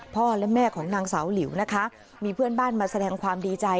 พ่อและแม่ของนางสาวหลิวนะคะมีเพื่อนบ้านมาแสดงความดีใจ